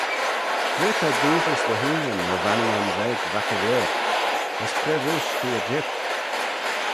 Cre ta dooghys dty heaghyn, o Vannanan veg vac y Leirr, as cre voish t'eh er jeet?